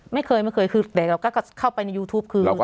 ไม่เคยไม่เคยคือแต่เราก็เข้าไปในยูทูปคือ